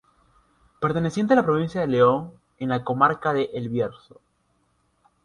Perteneciente a la provincia de León, en la comarca de El Bierzo.